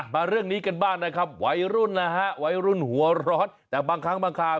มาเรื่องนี้กันบ้างนะครับวัยรุ่นนะฮะ